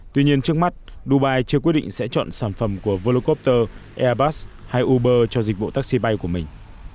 tuy nhiên trước mắt dubai chưa quyết định sẽ chọn sản phẩm của volucotter airbus hay uber cho dịch vụ taxi bay của mình